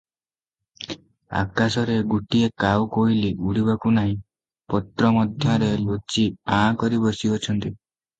ଆକାଶରେ ଗୋଟିଏ କାଉ କୋଇଲି ଉଡ଼ିବାକୁ ନାହିଁ, ପତ୍ର ମଧ୍ୟରେ ଲୁଚି ଆଁ କରି ବସିଅଛନ୍ତି ।